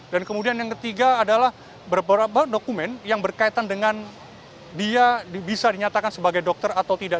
dan kemudian yang ketiga adalah beberapa dokumen yang berkaitan dengan dia bisa dinyatakan sebagai dokter atau tidak